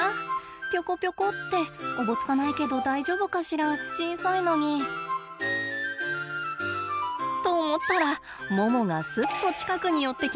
ぴょこぴょこっておぼつかないけど大丈夫かしら小さいのに。と思ったらモモがスッと近くに寄ってきます。